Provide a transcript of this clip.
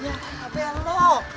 ya ampun lo